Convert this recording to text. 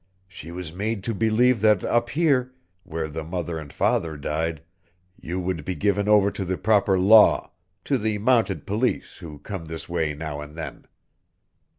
She was made to believe that up here, where the mother and father died, you would be given over to the proper law to the mounted police who come this way now and then.